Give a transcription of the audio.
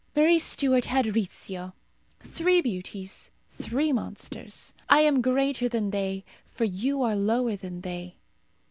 Marie Stuart had Rizzio. Three beauties, three monsters. I am greater than they, for you are lower than they.